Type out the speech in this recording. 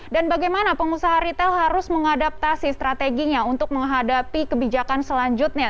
dan bagaimana pengusaha ritel harus mengadaptasi strateginya untuk menghadapi kebijakan selanjutnya